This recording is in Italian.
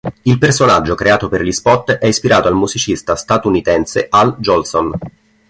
Il personaggio creato per gli spot è ispirato al musicista statunitense Al Jolson.